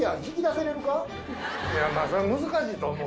いやまぁそれは難しいと思う。